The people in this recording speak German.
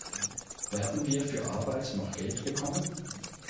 Werden wir für Arbeit noch Geld bekommen?